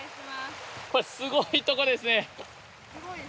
これすごいとこですね。